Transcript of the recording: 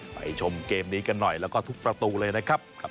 ชมเกมนี้กันหน่อยแล้วก็ทุกประตูเลยนะครับ